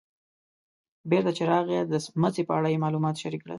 بېرته چې راغی د څمڅې په اړه یې معلومات شریک کړل.